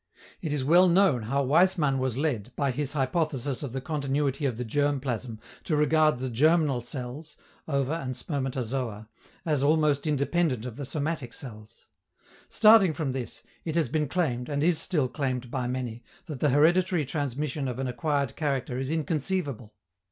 It is well known how Weismann was led, by his hypothesis of the continuity of the germ plasm, to regard the germinal cells ova and spermatozoa as almost independent of the somatic cells. Starting from this, it has been claimed, and is still claimed by many, that the hereditary transmission of an acquired character is inconceivable.